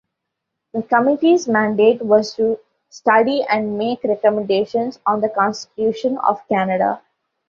The Committee's mandate was to study and make recommendations on the Constitution of Canada.